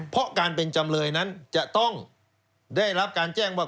เพราะการเป็นจำเลยนั้นจะต้องได้รับการแจ้งว่า